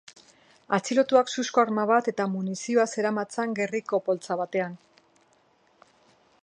Atxilotuak suzko arma bat eta munizioa zeramatzan gerriko poltsa batean.